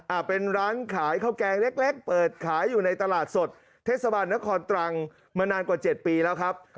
อ่าเป็นร้านเข้าแกงแรกเปิดขายอยู่ในตลาดสดเทศบาลและคลอนตรังมานานกว่า๗ปีแล้วครับ